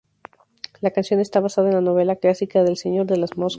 La canción está basada en la novela clásica de "El señor de las moscas".